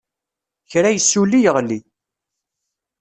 Kra yessuli yeɣli.